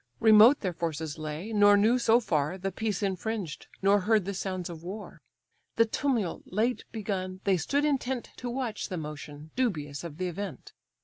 Remote their forces lay, nor knew so far The peace infringed, nor heard the sounds of war; The tumult late begun, they stood intent To watch the motion, dubious of the event.